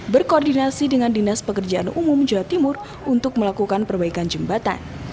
berkoordinasi dengan dinas pekerjaan umum jawa timur untuk melakukan perbaikan jembatan